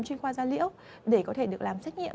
chuyên khoa da liễu để có thể được làm xét nghiệm